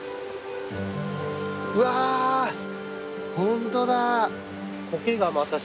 うわ本当だ。